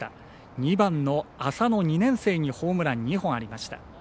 ２番の浅野、２年生のホームラン、２本ありました。